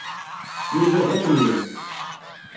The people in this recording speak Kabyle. Yuba d afenyan.